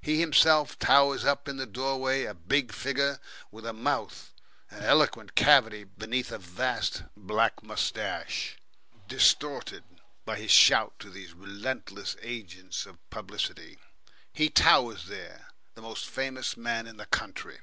He himself towers up in the doorway, a big figure with a mouth an eloquent cavity beneath a vast black moustache distorted by his shout to these relentless agents of publicity. He towers there, the most famous man in the country.